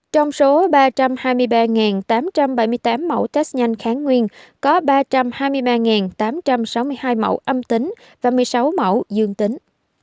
trong số ba trăm hai mươi ba tám trăm bảy mươi tám mẫu test nhanh kháng nguyên có ba trăm hai mươi ba tám trăm sáu mươi hai mẫu âm tính và một mươi sáu mẫu dương tính